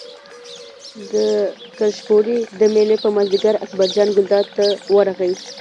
د کلشپورې د مېلې په مازدیګر اکبرجان ګلداد ته ورغی.